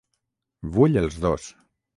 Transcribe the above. Vull els dos.